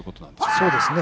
そうですね。